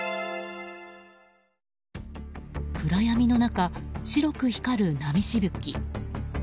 暗闇の中、白く光る波しぶき。